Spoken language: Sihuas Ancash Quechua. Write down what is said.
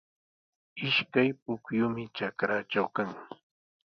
Ishkay pukyumi trakraatraw kan.